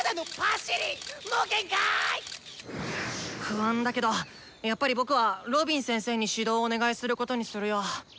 不安だけどやっぱり僕はロビン先生に指導をお願いすることにするよ。